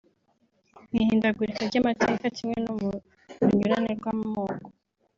Mu ihindagurika ry’amateka kimwe no mu runyurane rw’amoko